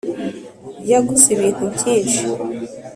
Yaguze ibintu byinshi